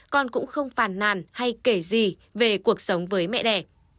con cũng không phàn nàn hay kể gì về cuộc sống với mẹ đẻ